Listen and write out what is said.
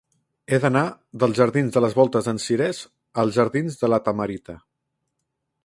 He d'anar dels jardins de les Voltes d'en Cirés als jardins de La Tamarita.